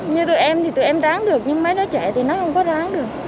như tụi em thì tụi em ráng được nhưng mấy đứa trẻ thì nó không có ráng được